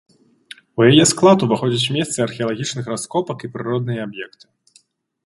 У яе склад уваходзяць месцы археалагічных раскопак і прыродныя аб'екты.